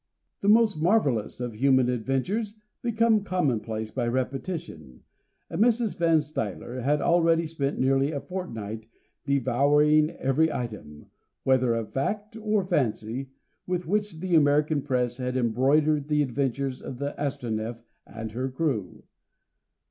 The most marvellous of human adventures become commonplace by repetition, and Mrs. Van Stuyler had already spent nearly a fortnight devouring every item, whether of fact or fancy, with which the American Press had embroidered the adventures of the Astronef and her crew.